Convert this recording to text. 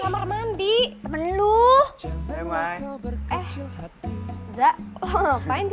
apaan sih ma ae berada di kamar mandi